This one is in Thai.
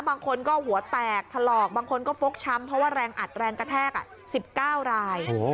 บางคนก็หัวแตกถลอกบางคนก็ฟกช้ำเพราะว่าแรงอัดแรงกระแทก๑๙ราย